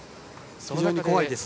非常に怖いです。